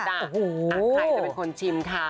ใครจะเป็นคนชิมคะ